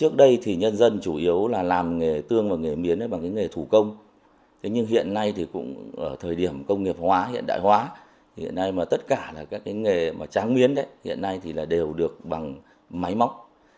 các nghề trắng miến hiện nay đều được bằng máy móc